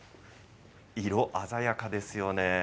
色鮮やかですよね？